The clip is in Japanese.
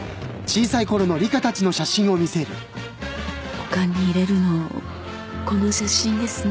お棺に入れるのこの写真ですね？